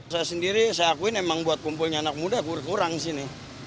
saya sendiri saya akui memang buat kumpulnya anak muda berkurang disini